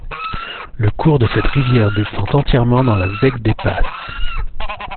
Le cours de cette rivière descend entièrement dans la zec des Passes.